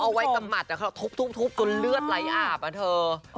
เอาไว้กับหมัดเนี่ยเขาก็ทุบทุนเลือดไล่อาบอะเถอะ